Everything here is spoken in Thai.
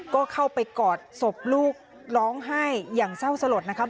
ก็เข้าไปกอดศพลูกร้องไห้อย่างเศร้าสลดนะครับ